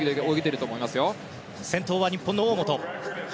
先頭は日本の大本。